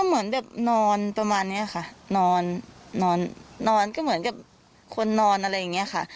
เหมือนแบบนอนประมาณนี้ค่ะนอนนอนก็เหมือนกับคนนอนอะไรอย่างนี้ค่ะ